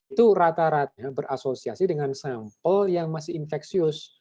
itu rata rata berasosiasi dengan sampel yang masih infeksius